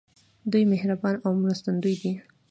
دوی مهربان او مرستندوی دي.